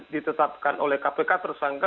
dibetulkan oleh kpk tersangka